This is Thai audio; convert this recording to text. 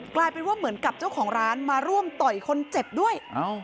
กลายเป็นว่าเหมือนกับเจ้าของร้านมาร่วมต่อยคนเจ็บด้วย